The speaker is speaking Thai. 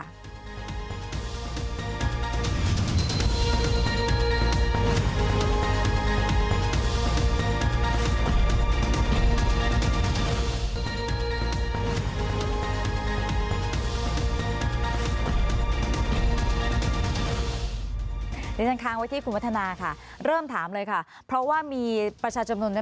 เดี๋ยวฉันค้างไว้ที่คุณวัฒนาค่ะเริ่มถามเลยค่ะเพราะว่ามีประชาชนนุนด้วย